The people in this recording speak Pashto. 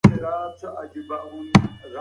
که پوهه نه وي انسان ورک وي.